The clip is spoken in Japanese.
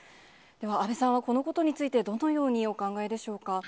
では安倍さんはこのことについて、どのようにお考えでしょうか？